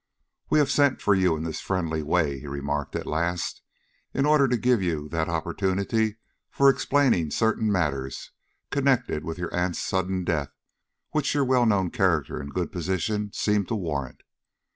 "We have sent for you in this friendly way," he remarked, at last, "in order to give you that opportunity for explaining certain matters connected with your aunt's sudden death which your well known character and good position seem to warrant.